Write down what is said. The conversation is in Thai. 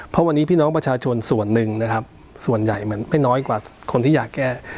เพราะวันนี้พี่น้องประชาชนส่วนหนึ่งนะครับส่วนใหญ่มันไม่น้อยกว่าคนที่อยากแก้